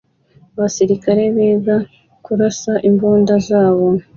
Abasirikare biga kurasa imbunda zabo